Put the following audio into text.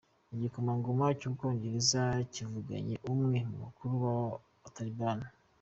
Igikomangoma cy’u Bwongereza cyivuganye umwe mu bakuru b’aba Taribani